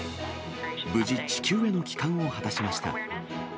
無事、地球への帰還を果たしました。